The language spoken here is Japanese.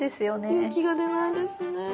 勇気が出ないですね。